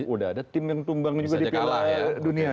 udah ada tim yang tumbang juga di piala dunia